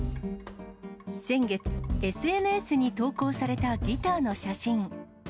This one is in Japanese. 先月、ＳＮＳに投稿されたギターの写真。